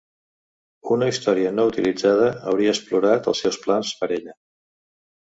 Una història no utilitzada hauria explorat els seus plans per ella.